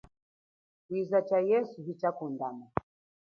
Kwiza tsha yesu hitshakundama.